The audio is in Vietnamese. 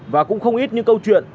và cũng không ít những câu chuyện